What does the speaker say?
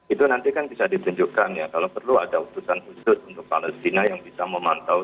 itu nanti kan bisa ditunjukkan ya kalau perlu ada utusan khusus untuk palestina yang bisa memantau